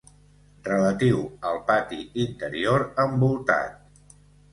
Relatiu al pati interior envoltat.